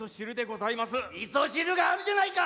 味噌汁があるじゃないか！